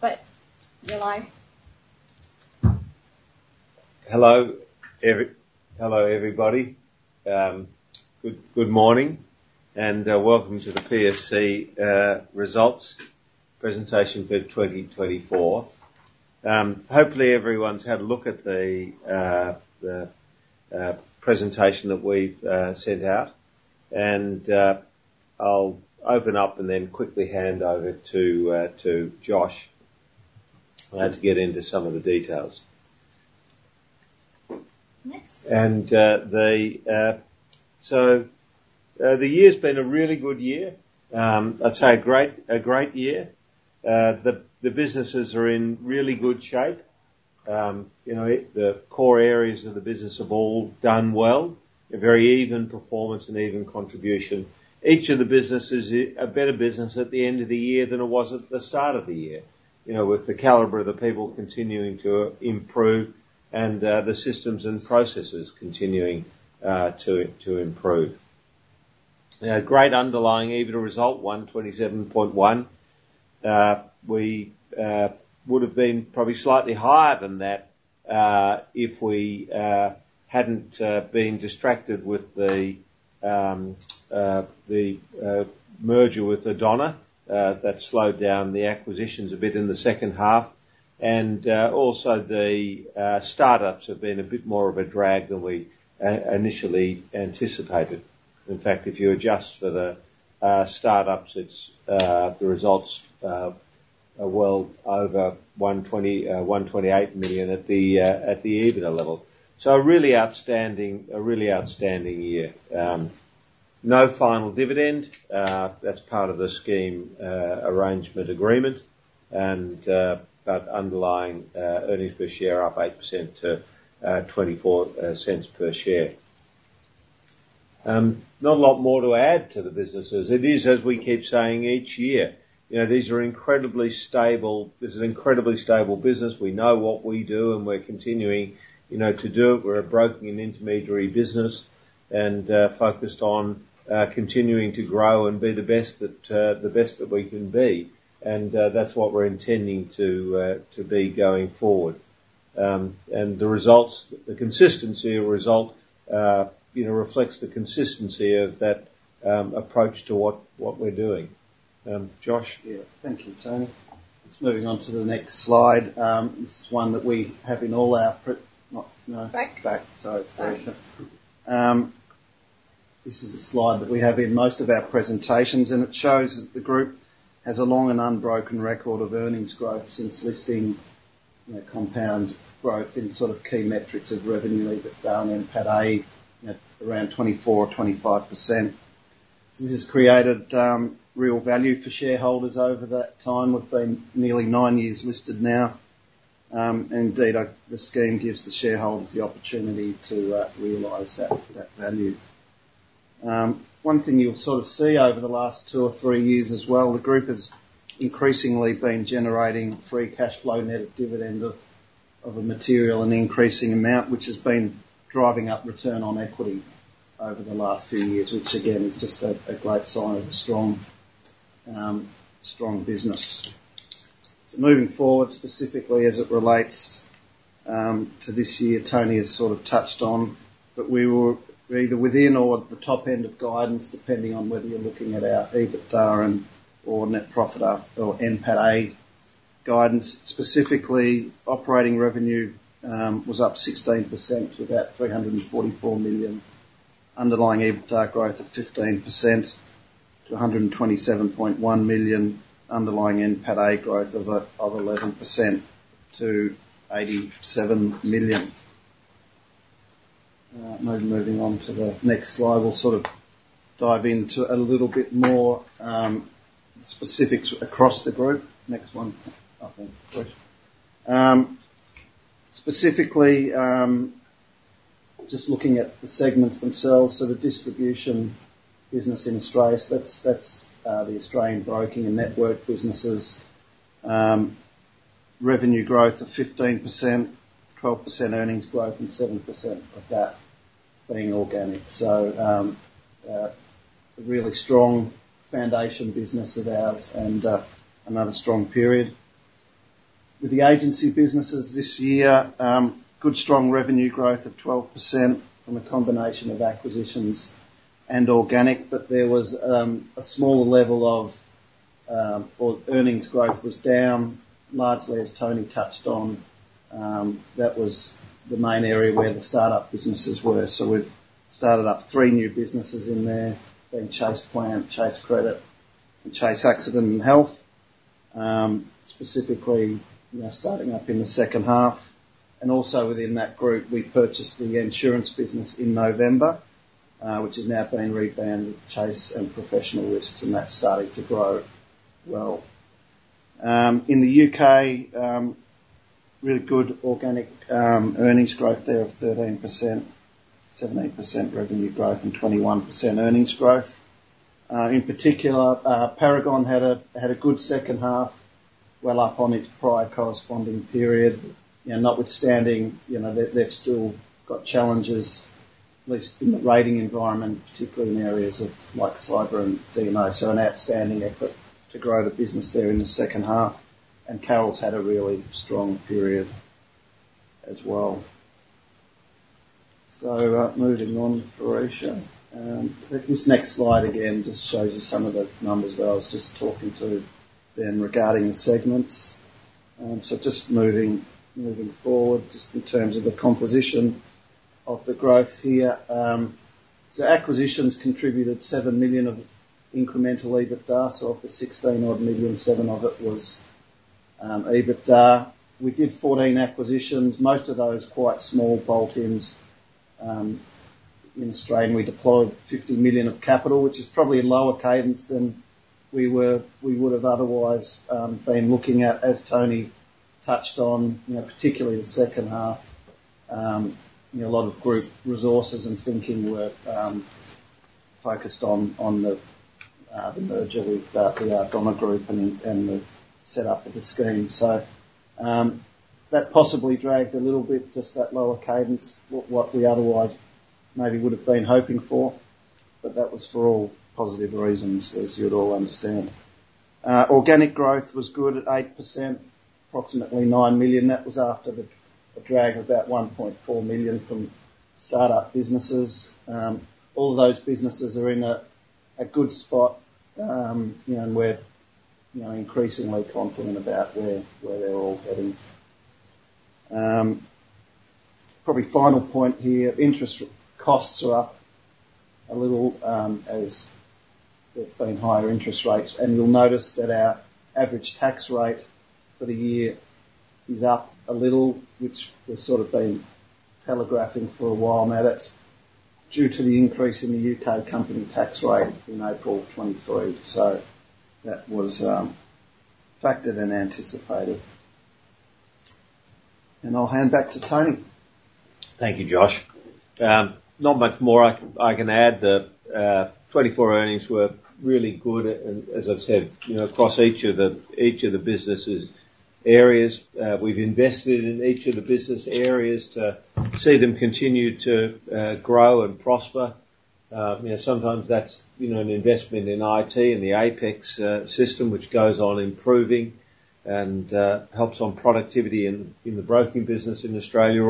But, July? Hello, everybody. Good morning, and welcome to the PSC results presentation for 2024. Hopefully, everyone's had a look at the presentation that we've sent out, and I'll open up and then quickly hand over to Josh to get into some of the details. Next. The year's been a really good year. I'd say a great year. The businesses are in really good shape. You know, the core areas of the business have all done well, a very even performance and even contribution. Each of the businesses is a better business at the end of the year than it was at the start of the year. You know, with the caliber of the people continuing to improve and the systems and processes continuing to improve. A great underlying EBITDA result, 127.1. We would have been probably slightly higher than that if we hadn't been distracted with the merger with Ardonagh. That slowed down the acquisitions a bit in the second half, and also the startups have been a bit more of a drag than we initially anticipated. In fact, if you adjust for the startups, it's the results are well over 128 million at the EBITDA level. So a really outstanding year. No final dividend, that's part of the scheme of arrangement agreement, and but underlying earnings per share up 8% to 0.24 per share. Not a lot more to add to the businesses. It is, as we keep saying, each year, you know, these are incredibly stable. This is an incredibly stable business. We know what we do, and we're continuing, you know, to do it. We're a broking and intermediary business and focused on continuing to grow and be the best that we can be. That's what we're intending to be going forward. The results, the consistency of result, you know, reflects the consistency of that approach to what we're doing. Josh? Yeah. Thank you, Tony. Just moving on to the next slide. This is a slide that we have in most of our presentations, and it shows that the group has a long and unbroken record of earnings growth since listing, you know, compound growth in sort of key metrics of revenue, EBITDA, and NPATA, at around 24% or 25%. This has created real value for shareholders over that time. We've been nearly nine years listed now. Indeed, the scheme gives the shareholders the opportunity to realize that value. One thing you'll sort of see over the last two or three years as well, the group has increasingly been generating free cash flow, net of dividend, of a material and increasing amount, which has been driving up return on equity over the last few years, which again, is just a great sign of a strong business. Moving forward, specifically as it relates to this year, Tony has sort of touched on, but we were either within or at the top end of guidance, depending on whether you're looking at our EBITDA and or net profit up or NPATA guidance. Specifically, operating revenue was up 16% to about 344 million. Underlying EBITDA growth of 15% to 127.1 million. Underlying NPATA growth of 11% to 87 million. Now moving on to the next slide. We'll sort of dive into a little bit more specifics across the group. Next one. Specifically, just looking at the segments themselves. So the distribution business in Australia, so that's, that's, the Australian broking and network businesses. Revenue growth of 15%, 12% earnings growth, and 7% of that being organic. So, a really strong foundation business of ours and, another strong period. With the agency businesses this year, good, strong revenue growth of 12% from a combination of acquisitions and organic, but there was, a smaller level of, or earnings growth was down, largely as Tony touched on. That was the main area where the startup businesses were. So we've started up three new businesses in there, being Chase Plant, Chase Credit, and Chase Accident and Health. Specifically, we are starting up in the second half, and also within that group, we purchased the Ensurance business in November, which is now being rebranded Chase Professional Risks, and that's starting to grow well. In the U.K., really good organic earnings growth there of 13%, 17% revenue growth, and 21% earnings growth. In particular, Paragon had a good second half, well up on its prior corresponding period, you know, notwithstanding, you know, they've still got challenges, at least in the rating environment, particularly in areas of like cyber and D&O. So an outstanding effort to grow the business there in the second half, and Carrolls had a really strong period as well. So, moving on, for Asia. This next slide again just shows you some of the numbers that I was just talking about them regarding the segments. So just moving forward, just in terms of the composition of the growth here. So acquisitions contributed 7 million of incremental EBITDA. So of the 16 odd million, seven of it was EBITDA. We did 14 acquisitions, most of those quite small bolt-ins in Australia. We deployed 15 million of capital, which is probably a lower cadence than we would have otherwise been looking at, as Tony touched on, you know, particularly the second half. You know, a lot of group resources and thinking were focused on the merger with the Ardonagh Group and the set up of the scheme. So, that possibly dragged a little bit, just that lower cadence, what we otherwise maybe would have been hoping for, but that was for all positive reasons, as you'd all understand. Organic growth was good at 8%, approximately 9 million. That was after the drag of about 1.4 million from startup businesses. All of those businesses are in a good spot, you know, and we're, you know, increasingly confident about where they're all heading. Probably final point here: interest costs are up a little, as there's been higher interest rates, and you'll notice that our average tax rate for the year is up a little, which we've sort of been telegraphing for a while now. That's due to the increase in the U.K. company tax rate in April 2023. So that was factored and anticipated. And I'll hand back to Tony. Thank you, Josh. Not much more I can add that 2024 earnings were really good, and as I've said, you know, across each of the business areas. We've invested in each of the business areas to see them continue to grow and prosper. You know, sometimes that's, you know, an investment in IT and the Apex system, which goes on improving and helps on productivity in the broking business in Australia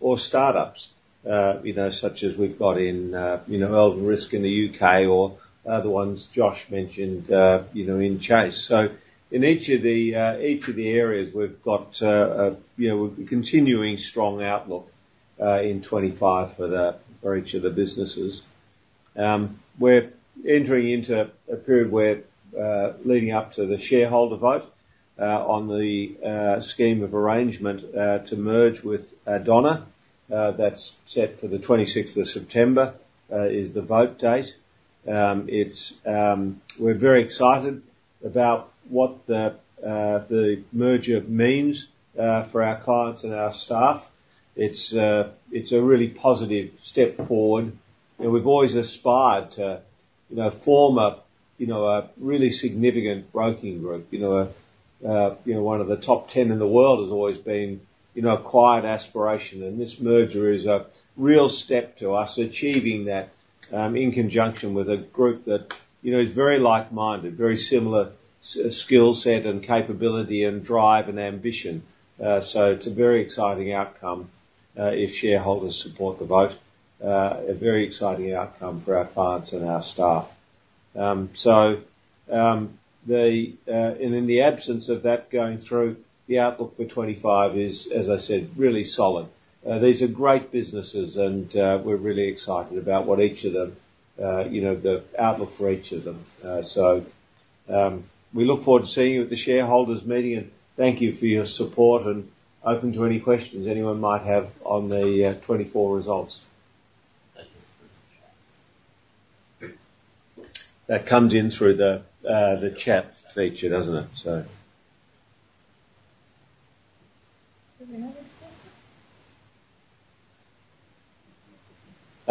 or startups, you know, such as we've got in you know, Ardonagh in the U.K. or other ones Josh mentioned, you know, in Chase. So in each of the areas, we've got a you know, continuing strong outlook in 2025 for each of the businesses. We're entering into a period where, leading up to the shareholder vote, on the Scheme of Arrangement, to merge with Ardonagh. That's set for the 26 of September, is the vote date. We're very excited about what the merger means, for our clients and our staff. It's a really positive step forward, and we've always aspired to, you know, form a, you know, a really significant broking group. You know, one of the top ten in the world has always been, you know, a quiet aspiration, and this merger is a real step to us achieving that, in conjunction with a group that, you know, is very like-minded, very similar skill set and capability and drive and ambition. So it's a very exciting outcome if shareholders support the vote. A very exciting outcome for our clients and our staff. And in the absence of that going through, the outlook for 2025 is, as I said, really solid. These are great businesses, and we're really excited about what each of them, you know, the outlook for each of them. We look forward to seeing you at the shareholders' meeting, and thank you for your support and open to any questions anyone might have on the 2024 results. Thank you. That comes in through the chat feature, doesn't it? So... Do we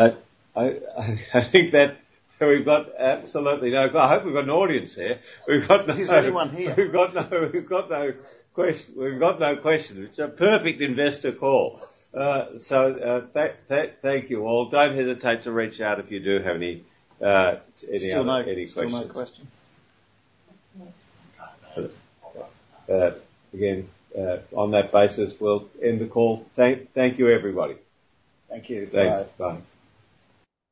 have any questions? I think that we've got absolutely no... I hope we've got an audience here. We've got no- Is anyone here? We've got no questions. It's a perfect investor call. Thank you, all. Don't hesitate to reach out if you do have any questions. Still no, still no questions. Again, on that basis, we'll end the call. Thank you, everybody. Thank you. Thanks. Bye.